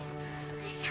よいしょ。